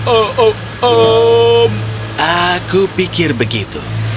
ehm aku pikir begitu